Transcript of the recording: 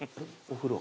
お風呂？